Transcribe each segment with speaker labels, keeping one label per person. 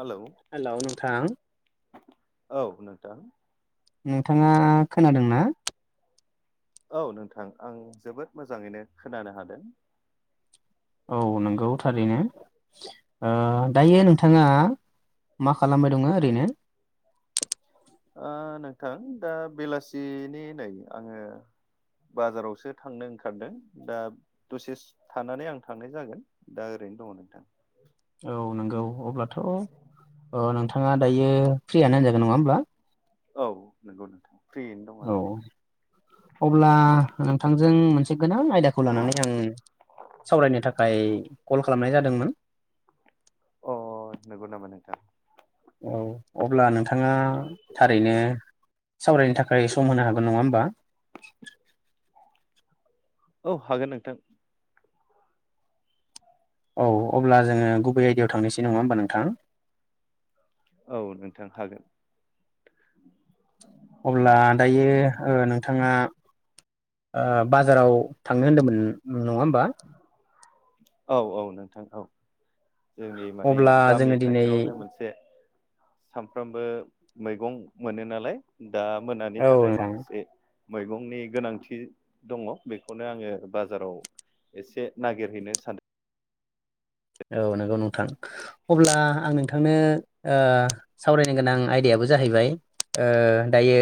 Speaker 1: Hello
Speaker 2: hello नोंथां
Speaker 1: औ नोंथां।
Speaker 2: नोंथाङा खोनादोंना।
Speaker 1: औ नोंथां आं जोबोद मोजाङैनो खोनानो हादों।
Speaker 2: औ नंगौ थारैनो ओ दायो नोंथाङा मा खालामबाय दङो ओरैनो।
Speaker 1: ओ नोंथां दा बेलासिनि नै आङो बाजारावसो थांनो ओंखारदों दा दसे थानानै आं थांनाय जागोन दा ओरै [unintelligible]
Speaker 2: औ नंगौ अब्लाथ'ओ नोंथां। नोंथाङा दायो फ्रियानो होनजागोन नङा होनब्ला।
Speaker 1: औ नंगौ नोंथां। फ्रियैनो दं आं
Speaker 2: औ अब्ला नोंथांजों मोनसे गोनां आयदाखौ लानानै आं सावरायनो थाखाय कल खालामनाय जादोंमोन।
Speaker 1: अ नंगौ नामा नोंथा।
Speaker 2: औ अब्ला नोंथाङा थारैनो। सावरायनो थाखाय सम होनो हागोन नङा होमबा।
Speaker 1: औ हागोन नोंथां।
Speaker 2: औ अब्ला जोङो गुबै आयडायाव थांनोसै नङा होमबा नोंथां।
Speaker 1: औ नोंथां हागोन।
Speaker 2: अब्ला दायो ओ नोंथाङा ओ बाजाराव थांनो होन्दोंमोन नङा होमबा।
Speaker 1: औ औ नोंथां औ। जोंनि माने
Speaker 2: अब्ला
Speaker 1: गामि
Speaker 2: जोङो दिनै
Speaker 1: खाथियावनो मोनसे सामफ्रामबो मैगं मोनो नालाय दा मोनानि
Speaker 2: औ
Speaker 1: थाखाय
Speaker 2: नोंथां
Speaker 1: माखासे। मैगंनि गोनांथि दङ बेखौनो आङो बाजाराव एसे नागिरहैनो सानदों।
Speaker 2: औ नंगौ नोंथां अब्ला आं नोंथांनो ओ सावरायनो गोनां आयदायाबो जाहैबाय ओ दायो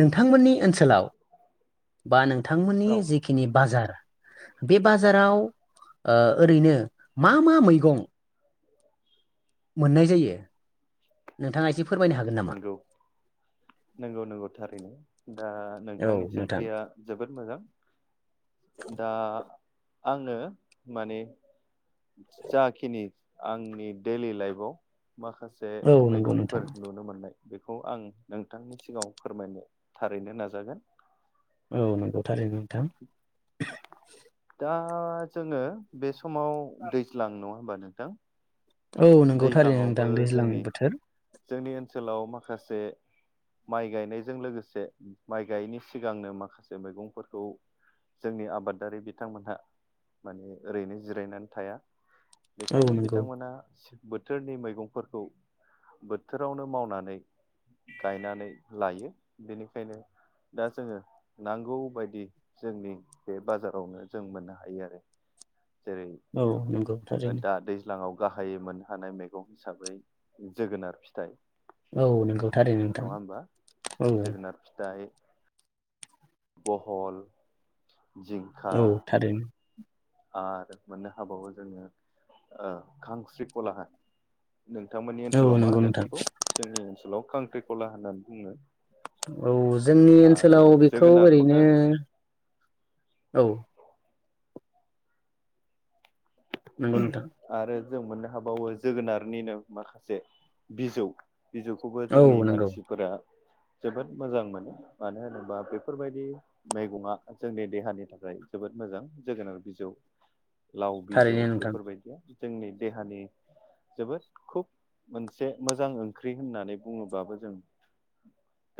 Speaker 2: नोंथांमोननि ओनसोलाव बा नों थांमोननि
Speaker 1: औ
Speaker 2: जिखिनि बाजार बे बाजाराव ओ ओरैनो। मा मा मैगं? मोननाय जायो नोंथाङा एसे फोरमायनो हागोन नामा?
Speaker 1: नोंगौ। नंगौ नंगौ थारैनो दा
Speaker 2: औ
Speaker 1: नोंथांनि
Speaker 2: नोंथां
Speaker 1: सोंथिया जोबोद मोजां। दा आङो माने जाखिनि आंनि दैलि लाइफआव माखासे
Speaker 2: औ नंगौ नोंथां
Speaker 1: मैगंफोर नुनो मोननाय बेखौ आं नोंथांनि सिगाङाव फोरमायनो थारैनो नाजागोन।
Speaker 2: औ नंगौ थारैनो नोंथां।
Speaker 1: दा जोङो बे समाव दैज्लां नङा होमबा नोंथां।
Speaker 2: औ नंगौ थारैनो नोंथां
Speaker 1: दैज्लाङावबो
Speaker 2: दैज्लां
Speaker 1: जोंनि
Speaker 2: बोथोर
Speaker 1: जोंनि ओनसोलाव माखासे माइ गायनायजों लोगोसे माइ गायैनि सिगांनो माखासे मैगंफोरखौ। जोंनि आबादारि बिथांमोनहा माने ओरैनो जिरायनानै थाया।
Speaker 2: औ
Speaker 1: बेखायनो
Speaker 2: नंगौ
Speaker 1: बिथांमोना। बोथोरनि मैगंफोरखौ बोथोरावनो मावनानै। गायनानै लायो बेनिखायनो। दा जोङो नांगौ बायदि जोंनि बे बाजारावनो जों मोननो हायो आरो।
Speaker 2: [inaudible]
Speaker 1: जेरै
Speaker 2: औ नंगौ थारैनो।
Speaker 1: दा दैज्लाङाव गाहायै मोननो हानाय मैगं हिसाबै जोगोनार फिथाइ।
Speaker 2: औ नंगौथारैनो नोंथां
Speaker 1: नङा होमबा
Speaker 2: औ औ।
Speaker 1: जोगोनार फिथाइ बहल जिंखा
Speaker 2: औ थारैनो।
Speaker 1: आरो मोननो हाबावो जोङो ओ खांस्रि खलाहा नोंथांमोननि
Speaker 2: औ
Speaker 1: ओनसोलाव मा
Speaker 2: नंगौ
Speaker 1: होनो
Speaker 2: नोंथां
Speaker 1: बेखौ जोंनि ओनसोलाव खांख्रिखला होननानै बुंङो।
Speaker 2: औ जोंनि ओनसोलाव बेखौ
Speaker 1: जोगोनारखौनो
Speaker 2: ओरैनो औ नंगौ नोंथां।
Speaker 1: आरो जों मोननो हाबावो जोगोनारनिनो माखासे बिजौ बिजौखौबो
Speaker 2: औ
Speaker 1: जोंनि
Speaker 2: नंगौ
Speaker 1: मानसिफोरा। जोबोद मोजां मोनो मानो होनोबा बेफोरबायदि मैगंआ जोंनि देहानि थाखाय जोबोद मोजां जोगोनार बिजौ लाव बिजौ
Speaker 2: थारैनो नोंथां।
Speaker 1: बेफोरबायदिया जोंनि देहानि जोबोद खुब मोनसे मोजां ओंख्रि होननानै बुङोबाबो जों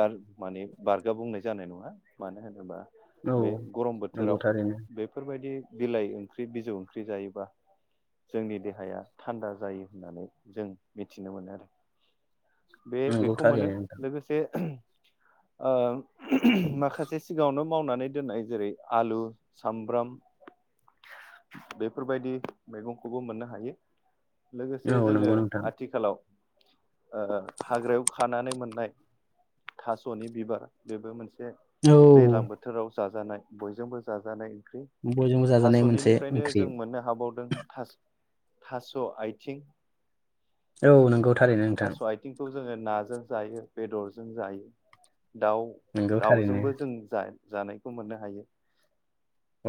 Speaker 1: गार माने बारगा बुंनाय जानाय नङा मानो होनोबा
Speaker 2: औ
Speaker 1: बे गरम
Speaker 2: नंगौ
Speaker 1: बोथोराव
Speaker 2: थारैनो
Speaker 1: बेफोरबायदि बिलाइ ओंख्रि बिजौ ओंख्रि जायोबा जोंनि देहाया थान्दा जायो होननानै जों मिथिनो मोनो आरो।
Speaker 2: नंगौ
Speaker 1: बे-बेखौ मोनो
Speaker 2: थारैनो नोंथां
Speaker 1: लोगोसे
Speaker 2: [inaudible]
Speaker 1: ओ माखासे सिगाङावनो मावनानै दोननाय जेरै आलु सामब्राम बेफोरबायदि मैगंखौबो मोननो हायो।
Speaker 2: औ
Speaker 1: लोगोसे जोङो
Speaker 2: नंगौ नोंथां
Speaker 1: आथिखालाव ओ हाग्रायाव खानानै मोननाय थास'नि बिबार बेबो मोनसे से
Speaker 2: औ
Speaker 1: दैलां बोथोराव जाजानाय बयजोंबो जाजानाय
Speaker 2: बयजोंबो जाजानाय मोनसे
Speaker 1: थास'निनिफ्रायनो
Speaker 2: ओंख्रि
Speaker 1: जों मोननो हाबावदों थास' थास'आथिं
Speaker 2: औ नंगौ थारैनो नोंथां।
Speaker 1: आथिंखौ जोङो नाजों जायो बेदरजों जायो दाउ
Speaker 2: नंगौ थारैनो
Speaker 1: दाउजोंबो जों जा जानायखौ मोननो हायो।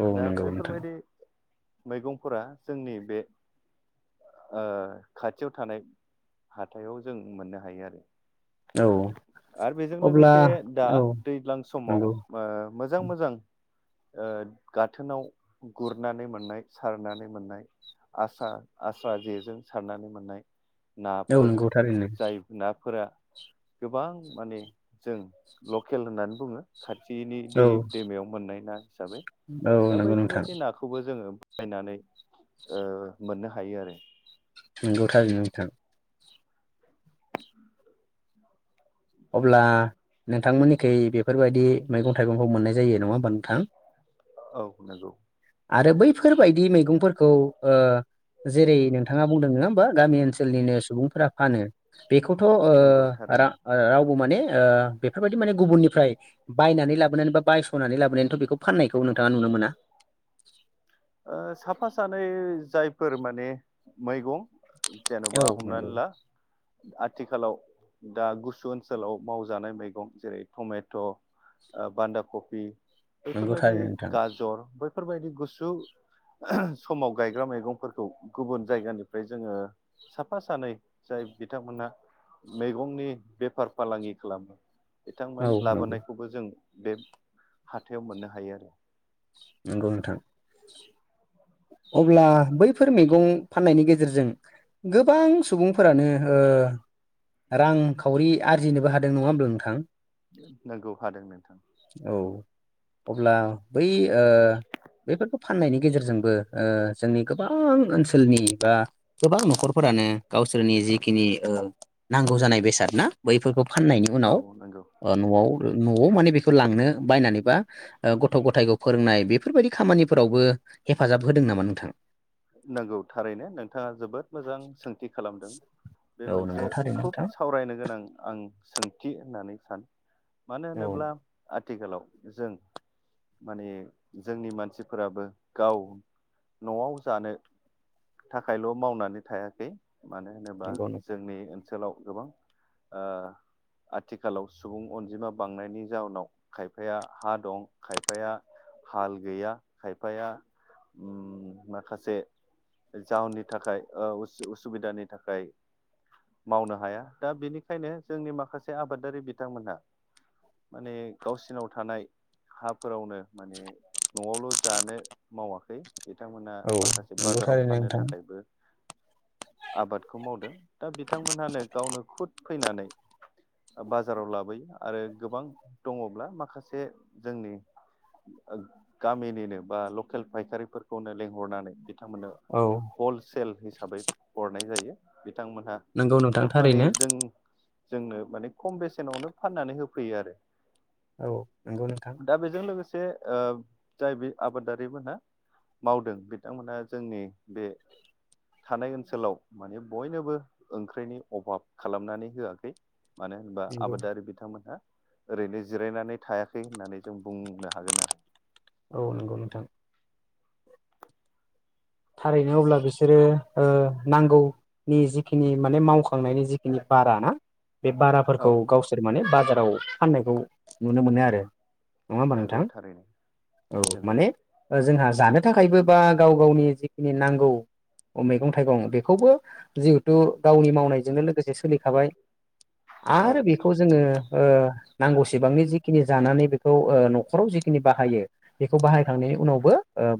Speaker 2: औ
Speaker 1: दा
Speaker 2: नंगौ। नोंथां
Speaker 1: बेफोरबायदि मैगंफोरा जोंनि बे ओ खाथियाव थानाय हाथायाव जों मोननो हायो आरो।
Speaker 2: औ।
Speaker 1: आरो बेजों
Speaker 2: अब्ला
Speaker 1: लोगोसे दा
Speaker 2: औ
Speaker 1: दैज्लां समाव‌
Speaker 2: नंगौ
Speaker 1: ओ मोजां मोजां ओ गाथोनाव गुरनानै मोननाय सारनानै मोननाय आस्रा आस्रा जेजों सारनानै मोननाय
Speaker 2: औ
Speaker 1: नाफोर
Speaker 2: नंगौ थारैनो
Speaker 1: जाय ना फोरा गोबां माने जों लकेल होननानै बुङो। खाथिनि दै
Speaker 2: औ
Speaker 1: दैमायाव मोननाय ना हिसाबै
Speaker 2: औ
Speaker 1: दा
Speaker 2: नंगौ नोंथां
Speaker 1: बैफोरबायदि नाखौबो जोङो बायनानै ओ मोननो हायो आरो।
Speaker 2: नंगौ थारैनो नोंथां अब्ला नोंथांमोननिखै बेफोरबायदि मैगं थाइगंखौ मोननाय जायो नङा होमबा नोंथां?
Speaker 1: ओ औ नंगौ।
Speaker 2: आरो बैफोर बायदि मैगंफोरखौ ओ जेरै नोंथाङा बुंदों नङा होमबा गामि ओनसोलनिनो सुबुंफोरा फानो बेखौथ' ओ
Speaker 1: नंगौ
Speaker 2: रा
Speaker 1: थारैनो
Speaker 2: रावबो माने ओ बेफोरबायदि माने गुबुननिफ्राय बायनानै लाबोनानै बा बायस'नानै लाबोनानैथ' बेखौ फाननाय खौ नोंथाङा नुनो मोना।
Speaker 1: ओ साफा सानै जायफोर माने मैगं जेन'बा
Speaker 2: औ नंगौ
Speaker 1: हमनानैला आथिखालाव दा गुसु ओनसोलाव मावजानाय मैगं जेरै टमेट' ओ बान्दा कफि
Speaker 2: नंगौ
Speaker 1: बेैफोरबायदि
Speaker 2: थारैनो नोंथां
Speaker 1: गाजर बैफोरबायदि गुसु समाव गायग्रा मैगंफोरखौ गुबुन जायगानिफ्राय जोङो साफा सानै जाय बिथांमोनहा मैगंनि बेफार फालांगि खालामो
Speaker 2: औ
Speaker 1: बिथांमोन
Speaker 2: नंगौ
Speaker 1: लाबोनायखौबो जों बे हाथाइाव मोननो हायो आरो
Speaker 2: नंगौ नोंथां। अब्ला बैफोर मैगं फाननायनि गेजेरजों गोबां सुबुंफोरानो ओ रांखावरि आरजिनोबो हादों नङा होमब्ला नोंथां?
Speaker 1: नोंगौ हादों नोंथां
Speaker 2: औ अब्ला बै ओ बेफोरखौ फाननायनि गेजेरजोंबो ओ जोंनि गोबां ओनसोलनि बा गोबां न'खरफोरा नो गावसोरनि जिखिनि ओ नांगौ जानाय बेसाद ना बैफोरखौ फाननायनि
Speaker 1: औ
Speaker 2: उनाव
Speaker 1: नोंगौ
Speaker 2: न'आव न'आव माने बेखौ लांनो बायनानै बा गथ' गथायखौ फोरोंनाय बेफोरबायदि खामानिफोरावबो हेफाजाब होदों नामा नोंथां
Speaker 1: नंगौ थारैनो नोंथाङा जोबोद मोजां सों थि खालामदों बे
Speaker 2: औ
Speaker 1: मोनसे
Speaker 2: नंगौ थारैनो
Speaker 1: खुब
Speaker 2: नोंथां
Speaker 1: सावरायनो गोनां आं सोंथि होननानै सानो मानो
Speaker 2: औ
Speaker 1: होनोब्ला आथिखालाव जों माने जोंनि मानसिफोराबो गाव न'आव जानो थाखायल' मावनानै थायाखै मानो होनोब्ला
Speaker 2: नंगौ नोंथां
Speaker 1: जोंनि ओ ओनसोलाव गोबां ओ आथिखालाव सुबुं अनजिमा बांनायनि जाउनाव खायफाया हा दं खायफाया हाल गैया खायफाया ओम माखासे से जाउननि थाखाय ओ असु-उसुबिदानि थाखाय मावनो हाया दा बेनिखायनो जोंनि माखासे आबादारि बिथांमोनहा माने गावसिनाव थानाय हाफोरावनो माने न'आवल' जानो मावाखै बिथांमोन
Speaker 2: औ
Speaker 1: माखासे
Speaker 2: नंगौ
Speaker 1: बाजाराव
Speaker 2: थारैनो
Speaker 1: फाननो
Speaker 2: नोंथां
Speaker 1: थाखायबो आबादखौ मावदों दा बिथांमोनहानो गावनो खुद फैनानै बाजाराव लाबोयो आरो गोबां दङब्ला माखासे जोंनि गामिनिनो बा लकेल फायखारिफोरखौनो लेंंहरनानै बिथांमोननो
Speaker 2: औ
Speaker 1: हलसेल हिसाबै हरनाय जायो। बिथांमोनहा
Speaker 2: नंगौ नोंथां
Speaker 1: खुब माने
Speaker 2: थारैनो
Speaker 1: जों जोंनो माने खम बेसेनावनो फाननानै होफैयो आरो।
Speaker 2: औ नंगौ नोंथां।
Speaker 1: दा बेजों लोगोसे जाय बे आबादारिमोनहा मावदों बिथांमोना जोंनि बे थानाय ओनसोलाव माने बयनोबो ओंख्रिनि अभाब खालामनानै होआखै मानो होनबा
Speaker 2: नंगौ
Speaker 1: आबादारि बिथांमोनहा ओरैनो जिरायनानै थायाखै होननानै जों बुंनो हागोन आरो।
Speaker 2: औ नंगौ नोंथां थारैनो अब्ला बिसोरो नांगौनि जिखिनि माने मावखांनायनि जिखिनि बारा ना बे
Speaker 1: औ
Speaker 2: बाराफोरखौ गावसोर माने बाजाराव फाननायखौ नुनो मोनो आरो नङा होमबा
Speaker 1: नंगौ
Speaker 2: नोंथां
Speaker 1: थारैनो
Speaker 2: औ
Speaker 1: नंगौ
Speaker 2: माने जोंहा जानो थाखायबो बा गाव गावनि जिखिनि नांगौ मैगं-थाइगं बेखौबो जिहेथु गावनि मावनायजोंनो लोगोसे सोलिखाबाय
Speaker 1: औ
Speaker 2: आरो बेखौ जोङो ओ नांगौसेबांनि जिखिनि जानानै बेखौ ओ न'खराव जिखिनि बाहायो बेखौ बाहायखांनायनि उनावबो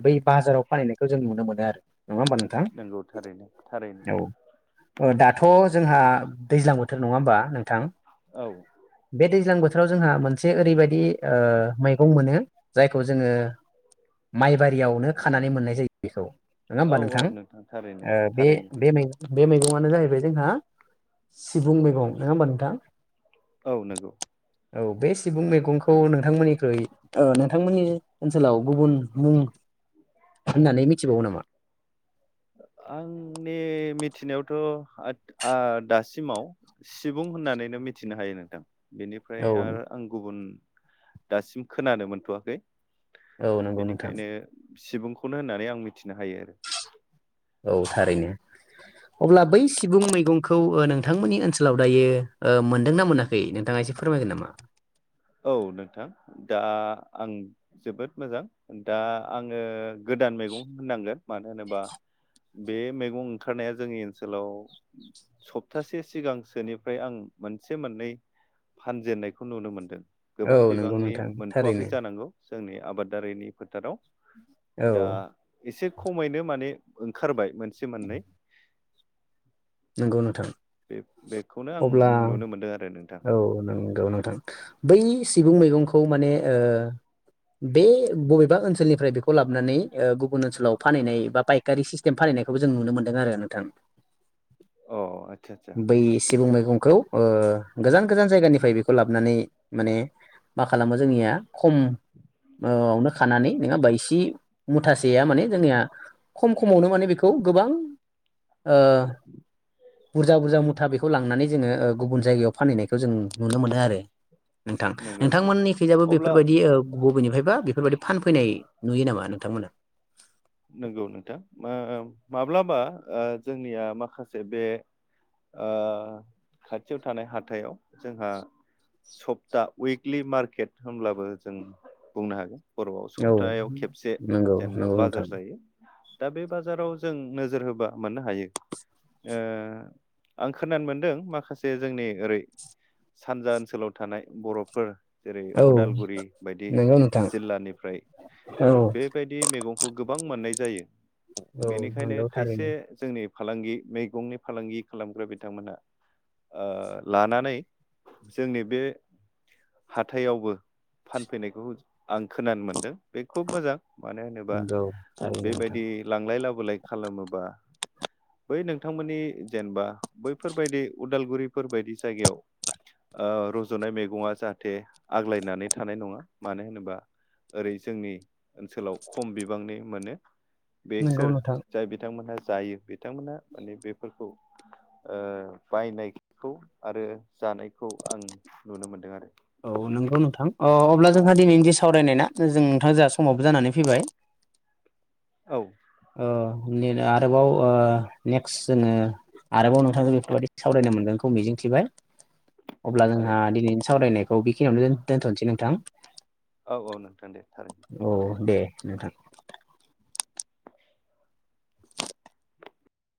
Speaker 2: बै बाजाराव फाननैनायखौ जों नुनो मोनो आरो नङा होमबा नोंथां
Speaker 1: नंगौ थारैनो-थारैनो।
Speaker 2: औ दाथ' जोंहा दैज्लां बोथोर नङा होमबा नोंथां
Speaker 1: औ
Speaker 2: बे दैज्लां बोथोर बोथोराव जोंहा मोनसे ओरैबायदि ओ मैगं मोनो जायखौ जोङो माइबारियावनो खानानै मोननाय जायो बेखौ नङा होमबा
Speaker 1: औ औ
Speaker 2: नोंथां
Speaker 1: थारैनो
Speaker 2: ओ बे
Speaker 1: थारैनो
Speaker 2: -बे मैगं बे मैगंआानो जाहैबाय जोंहा सिबुं मैगं नङा होमबा नोंथां
Speaker 1: औ नंगौ
Speaker 2: औ बे सिबुं मैगंखौ नोंथांमोननिख्रुइ नोंथांमोननि ओनसोलाव गुबुन मुं होननानै मिथिबावो नामा [unintelligible] [inaudible]
Speaker 1: आंनि मिथिनायावथ' आ दासिमाव सिबुं होननानैनो मिथिनो हायो नोंथां बेनिफ्राय
Speaker 2: औ
Speaker 1: आर आं गुबुन दासिम खोनानो मोनथ'वाखै
Speaker 2: औ नंगौ नोंथां
Speaker 1: बेनिखायनो सिबुंखौनो होननानै आं मिथिनो हायो आरो
Speaker 2: औ थारैनो अब्ला बै सिबुं मैगंखौ ओ नोंथांमोननि ओनसोलाव दायो ओ मोनदोंना मोनाखै नोंथाङा से फोरमायगोन नामा
Speaker 1: औ नोंथां दा आं जोबोद मोजां दा आङो गोदान मैगं होननांगोन मानो होनोबा बे मैगं ओंखारनाया जोंनि ओनसोलाव सप्तासे सिगांसोनिफ्राय आं मोनसे मोननै फानजेनन्नायखौ नुनो मोनदों गोबां
Speaker 2: औ नंगौ
Speaker 1: बिबांनि
Speaker 2: नोंथां
Speaker 1: मोनथ'वाखै
Speaker 2: थारैनो
Speaker 1: जानांगौ जोंनि आबादारिनि फोथाराव
Speaker 2: औ
Speaker 1: दा एसे खमैनो माने ओंखारबाय मोनसे मोननै
Speaker 2: नंगौ नोंथां
Speaker 1: बे बेखौनो आं
Speaker 2: अब्ला
Speaker 1: नुनो मोनदों आरो नोंथां
Speaker 2: औ नंगौ नोंथां बै सिबुं मैगंखौ माने ओ बे बबेबा ओनसोलनिफ्राय बेखौ लाबोनानै ओ गुबुन ओनसोलाव फानैनाय बा पायखारि सिस्टेम फानैनाय नायखौबो जों नुनो मोनदों आरो नोंथां
Speaker 1: अ आ
Speaker 2: बै सिबुं मैगंखौ ओ गोजान -गोजान जायगानिफ्राय बेखौ लाबोनानै माने मा खालामो जोंनिया खमवोआवनो खानानै नोङा होनबायसि मुथासेया माने जोंनिया खम -खमावनो माने बेखौ गोबां ओ बुरजा बुरजा मुथा बेखौ लांनानै जोङो गुबुन जायगायाव फानहैनायखौ जों नुनो मोनो आरो नोंथां
Speaker 1: नंगौ नंगौ
Speaker 2: नोंथांमोननिखैजाबो
Speaker 1: अब्ला
Speaker 2: बेफोरबायदि ओ बबेनिफ्राय बा बेफोरबायदि फानफैनाय नुयो नामा नोंथांमोना
Speaker 1: नंगौ नोंथां मा- माब्लाबा जोंनिया माखासे बे ओ खाथियाव थानाय हाथायाव जोंहा सप्ता उइकलि मार्केट होनब्लाबो जों बुंनो हागोन बर'आव
Speaker 2: औ
Speaker 1: सप्तायाव खेबसे
Speaker 2: नंगौ
Speaker 1: जेनेबा
Speaker 2: नंगौ
Speaker 1: बाजार
Speaker 2: नोंथां
Speaker 1: जायो दा बे बाजाराव जों नोजोर होबा मोननो हायो ओ आं खोनानो मोनदों माखासे जोंनि ओरै सानजा ओनसोलाव थानाय बर'फोर जेरै
Speaker 2: औ
Speaker 1: अदालगुरि बायदि
Speaker 2: नंगौ नोंथां
Speaker 1: जिल्लानिफ्राय
Speaker 2: औ
Speaker 1: बेबायदि मैगंखौ नाय जायो
Speaker 2: औ
Speaker 1: बेनिखायनो
Speaker 2: नंगौ
Speaker 1: खायसे
Speaker 2: थारैनो
Speaker 1: जोंनि फालांगि मैगंनि फालांगि खालामग्रा बिथांमोनहा ओ लानानै जोंनि बे हाथायावबो फानफैनायखौ आं खोनानो मोनदों बे खुब मोजां मानो होनोबा
Speaker 2: नंगौ थारैनो नोंथां
Speaker 1: बेबायदि लांलाय लाबोलाय खालामोबा बै नोंथांमोननि जेनेबा बैफोरबायदि उदालगुरिफोरबायायदि जायगायाव ओ रजनाय मैगंङा जाहाथे आग्लायनानै थानाय नङा मानो होनोबा ओरै जोंनि ओनसोलाव खम बिब बिबांनि मोनो बे
Speaker 2: नंगौ
Speaker 1: सोर
Speaker 2: नोंथां
Speaker 1: जाय बिथांमोनहा जायो बिथांमोना माने बेफोरखौ ओ बायनायखौ आरो जानायखौ आं नुनो मोनदों आरो।
Speaker 2: औ नंगौ नोंथां अ अब्ला जोंहा दिनैनिदि सावरायनाय ना जों नोंथां जोंहा समावबो जानानै फैबाय। [unintelligible]
Speaker 1: औ।
Speaker 2: ओ निन आरोबाव ओ नेक्स जोङो आरोबाव नोंथांखौ बेफोरबायदि सावरायनो मोनगोनखौ मिजिंथिबाय। अब्ला जोंहा
Speaker 1: थारैनो
Speaker 2: दिनैनि सावरायनायखौ बेखिनियावनो दोनथनोसै नोंथां।
Speaker 1: औ औ नोंथां दे थारैनो
Speaker 2: औ दे नोंथां।